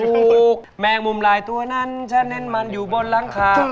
ถูกแมงมุมหลายตัวนั้นฉันเน้นมันอยู่บนหลังคา